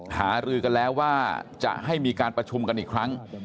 หารือกันแล้วว่าจะให้มีการประชุมกันอีกครั้ง